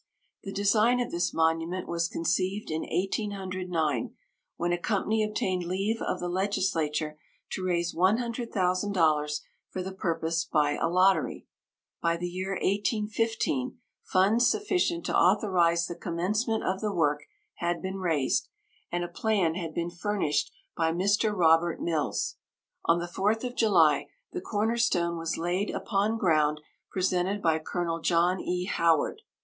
The design of this monument was conceived in 1809, when a company obtained leave of the legislature to raise 100,000 dollars for the purpose by a lottery. By the year 1815, funds sufficient to authorize the commencement of the work had been raised, and a plan had been furnished by Mr. Robert Mills. On the 4th of July, the corner stone was laid upon ground presented by Col. John E. Howard.